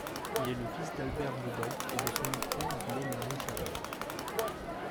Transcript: Il est le fils d'Albert Beudant et de son épouse, née Marie Charey.